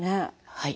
はい。